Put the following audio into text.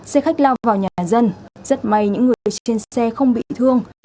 xe khách lao vào nhà dân rất may những người trên xe không bị thương